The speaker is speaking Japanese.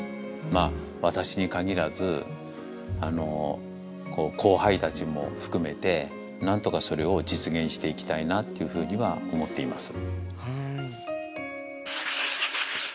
まあ私に限らず後輩たちも含めてなんとかそれを実現していきたいなっていうふうには思っています。